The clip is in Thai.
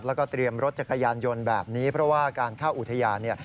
แล้วก็เตรียมรถจักรยานยนต์แบบนี้เพราะว่าการเข้าอุทยานเนี่ย